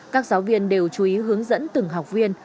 các giáo viên đều chú ý hướng dẫn từng học viên